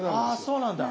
あそうなんだ。